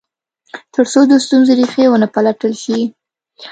تر څو د ستونزو ریښې و نه پلټل شي.